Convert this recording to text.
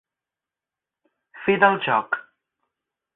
Fi del joc.